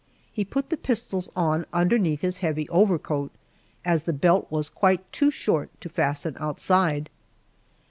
He put the pistols on underneath his heavy overcoat, as the belt was quite too short to fasten outside.